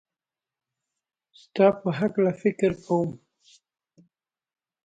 ستا په هکله فکر کوم